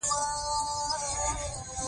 ځان غولول او تېر ایستل به په کې وي.